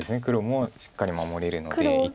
黒もしっかり守れるので。